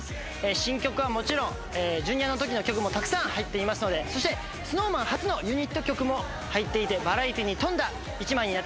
新曲はもちろんＪｒ．の時の曲もたくさん入っていますので、ＳｎｏｗＭａｎ初のユニット曲も入っていて、バラエティーに富んだ１枚です。